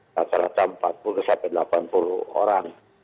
rata rata empat puluh sampai delapan puluh orang